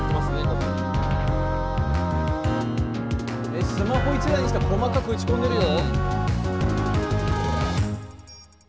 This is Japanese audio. えスマホ１台にしては細かく打ち込んでるよ。